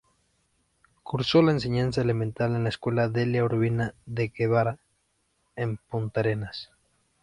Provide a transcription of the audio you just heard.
Cursó la enseñanza elemental en la Escuela Delia Urbina de Guevara, en Puntarenas.